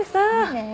ねえ。